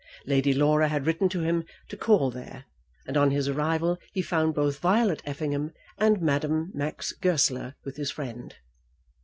Lady Laura had written to him to call there, and on his arrival he found both Violet Effingham and Madame Max Goesler with his friend.